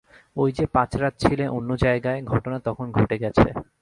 ঐ যে পাঁচ রাত ছিলে অন্য জায়গায়, ঘটনা তখন ঘটে গেছে।